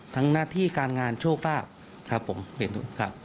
ทั้งหน้าที่การงานโชคราบ